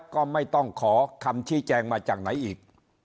ก็ไม่ต้องขอคำชี้แจงมาจากไหนอีก